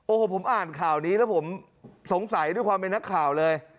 โอ้โหผมอ่านข่าวนี้แล้วผมสงสัยด้วยความเป็นนักข่าวเลย